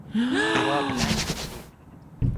Duo bilan — el.